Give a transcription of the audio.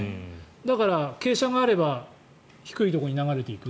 だから、傾斜があれば低いところに流れていく。